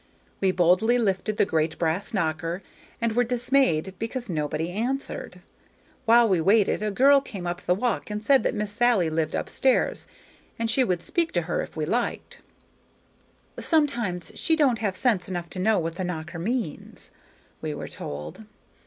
We boldly lifted the great brass knocker, and were dismayed because nobody answered. While we waited, a girl came up the walk and said that Miss Sally lived up stairs, and she would speak to her if we liked. "Sometimes she don't have sense enough to know what the knocker means," we were told.